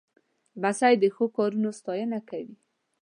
لمسی د ښو کارونو ستاینه کوي.